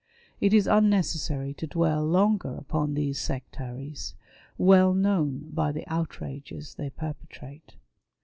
It is unnecessary to dwell longer upon these sectaries, well known by the outrages they perpetrate.